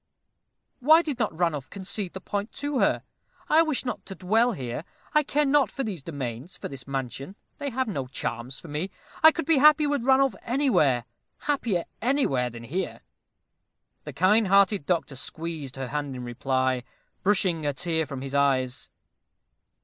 "Why did not Ranulph concede the point to her? I wish not to dwell here. I care not for these domains for this mansion. They have no charms for me. I could be happy with Ranulph anywhere happier anywhere than here." The kind hearted doctor squeezed her hand in reply, brushing a tear from his eyes.